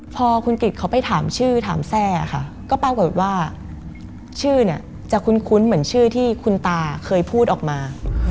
พอคุณกิจเขาไปถามชื่อถามแทร่ค่ะก็ปรากฏว่าชื่อเนี่ยจะคุ้นเหมือนชื่อที่คุณตาเคยพูดออกมา